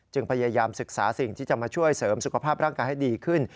พยายามศึกษาสิ่งที่จะมาช่วยเสริมสุขภาพร่างกายให้ดีขึ้น